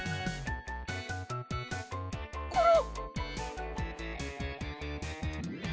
コロ！